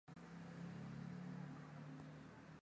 德希达提出了一种他称之为解构阅读西方哲学的方法。